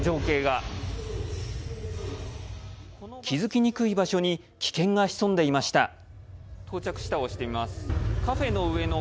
気付きにくい場所に危険が潜んでいました。